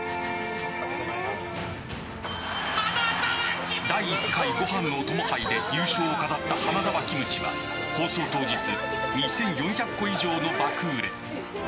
「ビオレ」第１回ご飯のお供杯で優勝を飾った花澤キムチは放送当日２４００個以上の爆売れ。